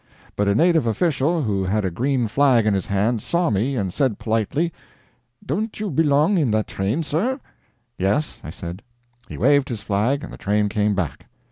But a native official, who had a green flag in his hand, saw me, and said politely: "Don't you belong in the train, sir?" "Yes." I said. He waved his flag, and the train came back!